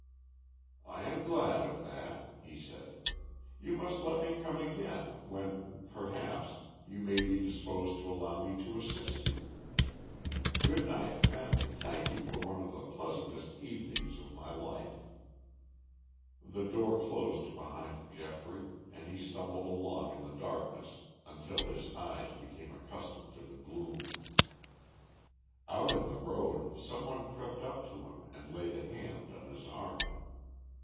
"I am glad of that," he said. "You must let me come again, when, perhaps, you may be disposed to allow me to assist you. Good night and thank you for one of the pleasantest evenings of my life." The door closed behind Geoffrey, and he stumbled along in the darkness until his eyes became accustomed to the gloom. Out in the road some one crept up to him and laid a hand on his arm.